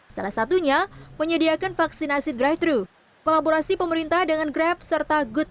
salah satunya penyediakan vaksinasi drive thru kolaborasi pemerintah dengan grab serta good